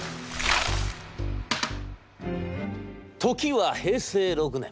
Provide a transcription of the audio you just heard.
「時は平成６年。